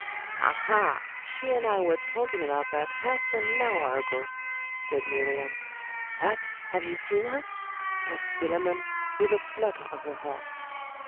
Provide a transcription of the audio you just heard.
'Aha! she and I were talking about that half an hour ago,' said Miriam. 'What! have you seen her?' asked Philammon, with a flutter of the heart.